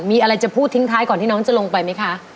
มีอะไรจะพูดทิ้งท้ายก่อนที่น้องจะลงไปไหมคะ